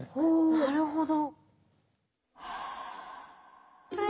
なるほど。